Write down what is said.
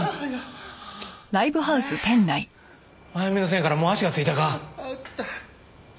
真由美の線からもう足がついたか？